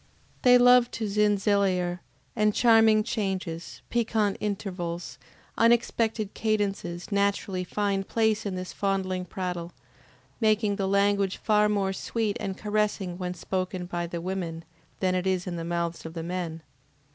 They love to ZINZILYLER, and charming changes, piquant intervals, unexpected cadences naturally find place in this fondling prattle, making the language far more sweet and caressing when spoken by the women, than it is in the mouths of the men.